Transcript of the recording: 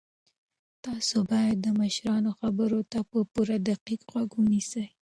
تاسو باید د مشرانو خبرو ته په پوره دقت غوږ ونیسئ.